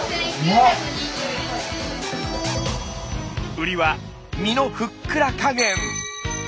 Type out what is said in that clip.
売りは身のふっくら加減。